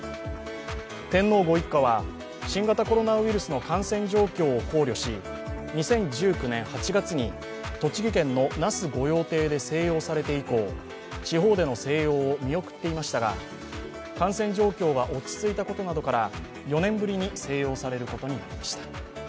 天皇ご一家は新型コロナウイルスの感染状況を考慮し２０１９年８月に栃木県の那須御用邸で静養されて以降、地方での静養を見送っていましたが感染状況が落ち着いたことなどから、４年ぶりに静養されることになりました。